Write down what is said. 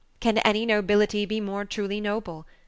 can any nobility be more truly noble?